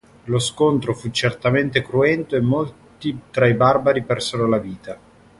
Lo scontro fu certamente cruento e molti tra i barbari persero la vita.